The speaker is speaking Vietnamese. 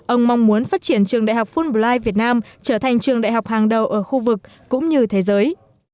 ông mong muốn phát triển trường đại học fulblight việt nam trở thành trường đại học hàng đầu ở khu vực cũng như thế giới